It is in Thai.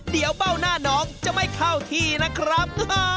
เดี๋ยวเบ้าหน้าน้องจะไม่เข้าที่นะครับ